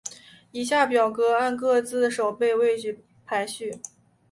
以下表格按各守备位置排序。